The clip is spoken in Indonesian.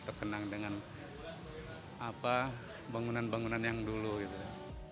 terkenang dengan bangunan bangunan yang dulu gitu